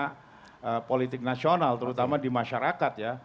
karena politik nasional terutama di masyarakat ya